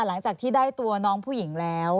หลังจากที่ได้ตัวน้องผู้หญิงแล้ว